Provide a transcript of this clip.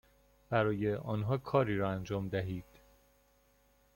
برای آنها کاری را انجام دهید،